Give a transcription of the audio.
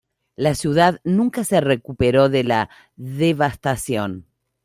La ciudad nunca se recuperó de la devastación.